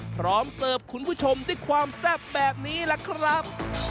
พร้อมเสิร์ฟคุณผู้ชมด้วยความแซ่บแบบนี้แหละครับ